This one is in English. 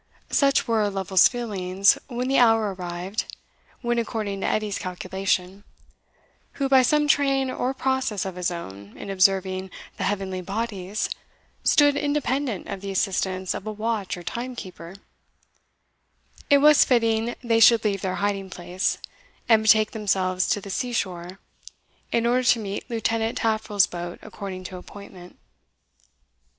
Such were Lovel's feelings, when the hour arrived when, according to Edie's calculation who, by some train or process of his own in observing the heavenly bodies, stood independent of the assistance of a watch or time keeper it was fitting they should leave their hiding place, and betake themselves to the seashore, in order to meet Lieutenant Taffril's boat according to appointment.